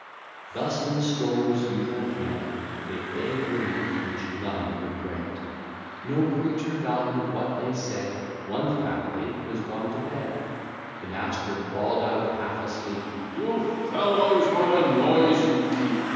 Thus in the stroller's usual cant, They begg'd relief, which none would grant. No creature valued what they said, One family was gone to bed: The master bawled out half asleep, "You fellows, what a noise you keep!